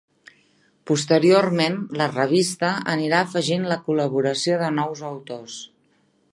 Posteriorment, la revista anirà afegint la col·laboració de nous autors.